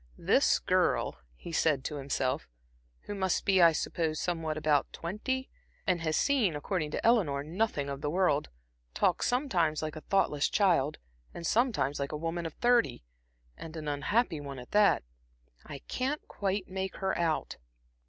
"This girl," he said to himself "who must be, I suppose, somewhere about twenty, and has seen, according to Eleanor, nothing of the world, talks sometimes like a thoughtless child, and sometimes like a woman of thirty, and an unhappy one at that. I can't quite make her out."